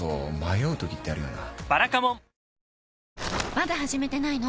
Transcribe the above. まだ始めてないの？